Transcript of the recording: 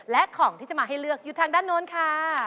และของที่จะมาให้เลือกอยู่ทางด้านโน้นค่ะ